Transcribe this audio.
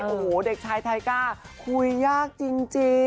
โอ้โหเด็กชายไทก้าคุยยากจริง